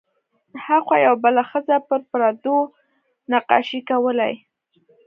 هاخوا یوه بله ښځه پر پردو نقاشۍ کولې.